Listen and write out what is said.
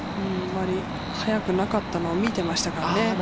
早くなかったのを見ていましたからね。